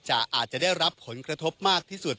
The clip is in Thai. อาจจะได้รับผลกระทบมากที่สุด